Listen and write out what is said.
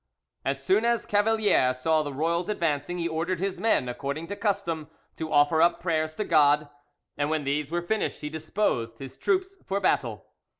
As soon as Cavalier saw the royals advancing, he ordered his men, according to custom, to offer up prayers to God, and when these were finished he disposed his troops for battle.